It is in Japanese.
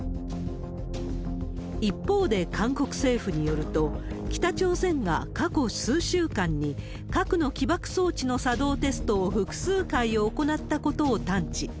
一方で、韓国政府によると、北朝鮮が過去数週間に核の起爆装置の作動テストを複数回行ったことを探知。